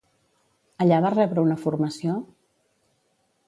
Allà va rebre una formació?